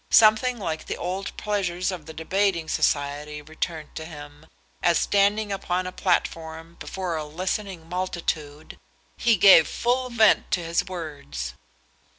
Something like the old pleasures of the debating society returned to him, as standing upon a platform before a listening multitude, he gave full vent to his words.